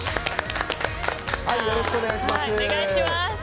よろしくお願いします。